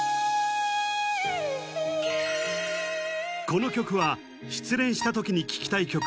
この曲は失恋した時に聴きたい曲